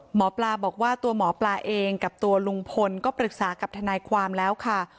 หมอปลาบอกว่าตัวหมอปลาเองกับตัวลุงพลก็ปรึกษากับทนายความแล้วค่ะ